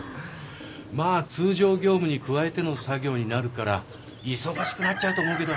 まあ通常業務に加えての作業になるから忙しくなっちゃうと思うけど。